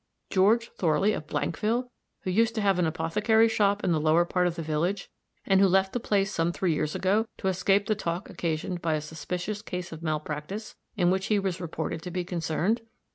"George Thorley, of Blankville, who used to have an apothecary shop in the lower part of the village, and who left the place some three years ago, to escape the talk occasioned by a suspicious case of malpractice, in which he was reported to be concerned?"